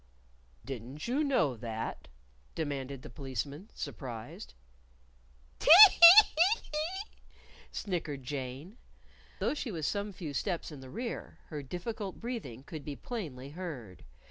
"Didn't you know that?" demanded the Policeman, surprised. "Tee! hee! hee! hee!" snickered Jane. Though she was some few steps in the rear, her difficult breathing could be plainly heard.